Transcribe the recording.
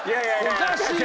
おかしい。